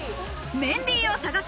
メンディーを探せ！